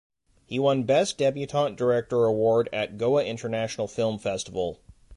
He won best debutant director award at Goa International film festival.